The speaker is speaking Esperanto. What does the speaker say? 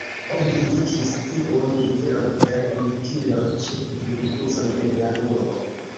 Oni indikis tiun nivelon per indikiloj ĉe kvin kluzoj en la urbo.